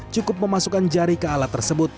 cukup memasukkan jari ke alat tersebut